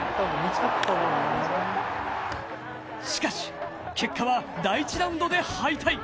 しかし結果は第１ラウンドで敗退。